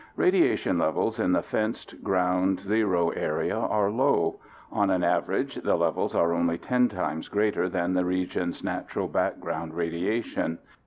Radiation levels in the fenced, ground zero area are low. On an average the levels are only 10 times greater than the region's natural background radiation.